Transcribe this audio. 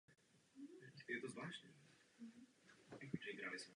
V témže roce byla rovněž přebudována vodovodní a kanalizační síť.